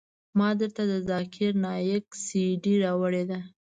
ما درته د ذاکر نايک سي ډي راوړې ده.